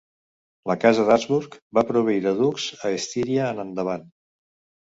La casa d'Habsburg va proveir de ducs a Estíria en endavant.